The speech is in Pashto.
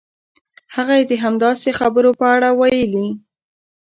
هغه یې د همداسې خبرو په اړه ویلي.